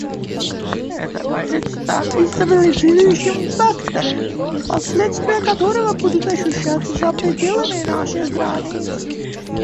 Это может стать дестабилизирующим фактором, последствия которого будут ощущаться за пределами наших границ.